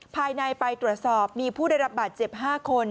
ภายในไปตรวจสอบมีผู้ได้รับบาดเจ็บ๕คน